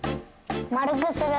まるくする？